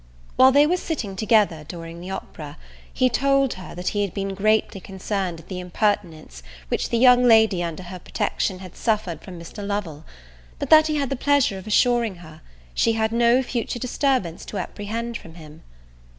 While they were sitting together during the opera, he told her that he had been greatly concerned at the impertinence which the young lady under her protection had suffered from Mr. Lovel; but that he had the pleasure of assuring her, she had no future disturbance to apprehend from him.